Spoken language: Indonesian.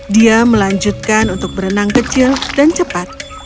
dia melanjutkan untuk berenang kecil dan cepat